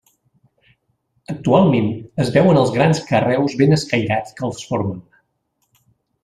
Actualment es veuen els grans carreus ben escairats que els formen.